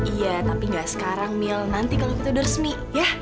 iya tapi gak sekarang mil nanti kalau kita udah resmi ya